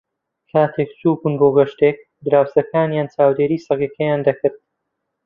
کاتێک چوو بوون بۆ گەشتێک، دراوسێکانیان چاودێریی سەگەکەیان دەکرد.